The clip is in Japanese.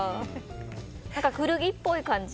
古着っぽい感じ。